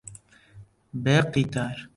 بە یەک قیتار،